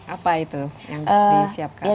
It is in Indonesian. apa itu yang disiapkan